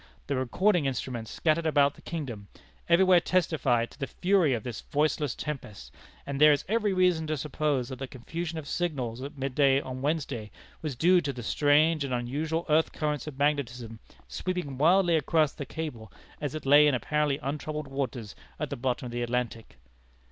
The recording instruments scattered about the kingdom, everywhere testified to the fury of this voiceless tempest, and there is every reason to suppose that the confusion of signals at midday on Wednesday was due to the strange and unusual earth currents of magnetism, sweeping wildly across the cable as it lay in apparently untroubled waters at the bottom of the Atlantic."